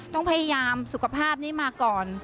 ต้องพยายามสุขภาพนี้มาก่อน